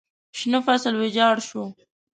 شنه فصل ویجاړ شو.